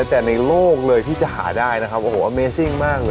แต่ในโลกเลยที่จะหาได้นะครับโอ้โหเมซิ่งมากเลย